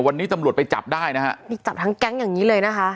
วันนี้ตำรวจไปจับได้นะฮะนี่จับทั้งแก๊งอย่างงี้เลยนะคะ